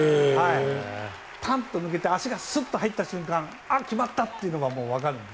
パンっと抜けて足がスッと入った瞬間あ、決まったというのがわかります。